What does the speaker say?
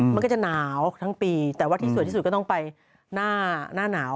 มันก็จะหนาวทั้งปีแต่ว่าที่สวยที่สุดก็ต้องไปหน้าหนาว